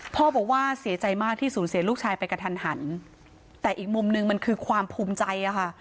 พ่อบอกว่าเสียใจมากที่สูญเสียลูกชายไปกระทันหันแต่อีกมุมนึงมันคือความภูมิใจอะค่ะ